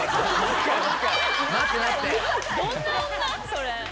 それ。